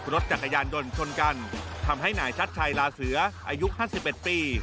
รถจักรยานยนต์ชนกันทำให้นายชัดชัยลาเสืออายุ๕๑ปี